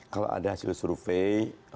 kalau ada hasil survei